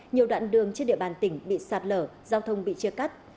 nhiều đoạn đường trên địa bàn tỉnh bị sạt lở giao thông bị chia cắt